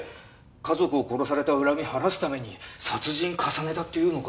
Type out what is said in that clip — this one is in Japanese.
家族を殺された恨み晴らすために殺人重ねたっていうのか？